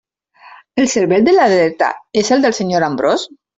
El cervell de la dreta és el del senyor Ambròs?